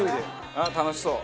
ああ楽しそう。